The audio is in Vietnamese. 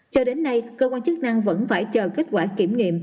cho đến nay cơ quan chức năng vẫn phải chờ kết quả kiểm nghiệm